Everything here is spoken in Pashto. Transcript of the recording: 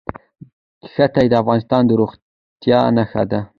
ښتې د افغانستان د زرغونتیا نښه ده.